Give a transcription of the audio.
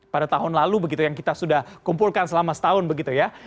pada tahun lalu begitu yang kita sudah kumpulkan selama setahun begitu ya